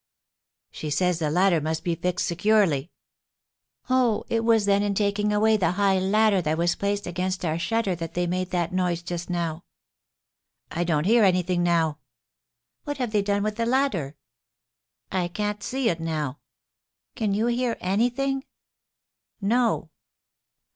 "She says the ladder must be fixed securely." "Oh, it was then in taking away the high ladder that was placed against our shutter that they made that noise just now." "I don't hear anything now." "What have they done with the ladder?" "I can't see it now." "Can you hear anything?" "No."